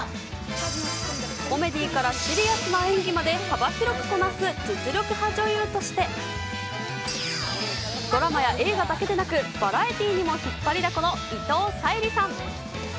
コメディーからシリアスな演技まで、幅広くこなす実力派女優として、ドラマや映画だけでなく、バラエティにも引っ張りだこの伊藤沙莉さん。